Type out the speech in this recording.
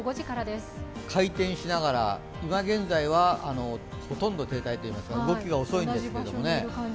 回転しながら今現在は、ほとんど停滞、動きが遅いんですけどね。